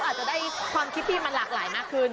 อาจจะได้ความคิดที่มันหลากหลายมากขึ้น